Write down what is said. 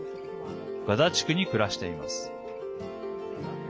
ガザ地区に暮らしています。